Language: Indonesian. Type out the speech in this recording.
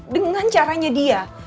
dengan caranya dia